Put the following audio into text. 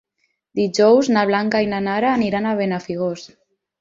Dijous na Blanca i na Nara aniran a Benafigos.